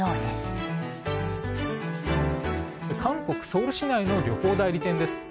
ソウル市内の旅行代理店です。